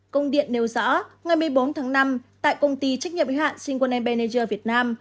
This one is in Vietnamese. công điện nêu rõ ngày một mươi bốn tháng năm tại công ty trách nhiệm hệ hạn singleton manager việt nam